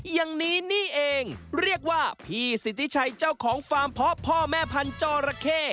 อย่างนี้นี่เองเรียกว่าพี่สิทธิชัยเจ้าของฟาร์มเพาะพ่อแม่พันธุ์จอระเข้